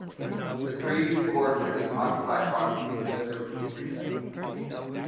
The Three Gorges occupy approximately within this region.